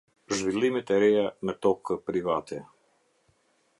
Zhvillimet e reja në tokë private.